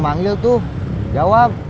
manggil tuh jawab